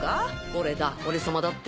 「俺だ俺様だ」って。